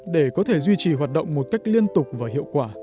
để có thể duy trì hoạt động một cách liên tục và hiệu quả